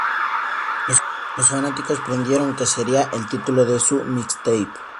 Los fanáticos predijeron que sería el título de su "mixtape".